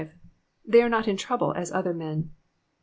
''They are not in trovhle as other men.''